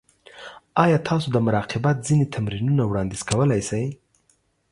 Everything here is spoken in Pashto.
ایا تاسو د مراقبت ځینې تمرینونه وړاندیز کولی شئ؟